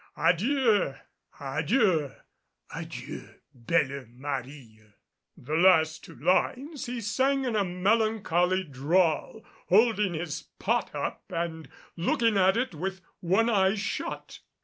A dieu A dieu Adieu, belle Marie e!" The last two lines he sang in a melancholy drawl, holding his pot up and looking at it with one eye shut.